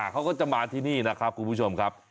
เขาก็จะมาที่นี่นะครับคุณผู้ชมครับ